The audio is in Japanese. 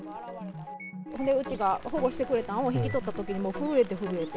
ほんでうちが保護してくれたんを引き取ったときに、もう震えて、震えて。